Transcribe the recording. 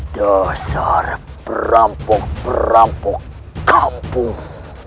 dasar perampok perampok kampung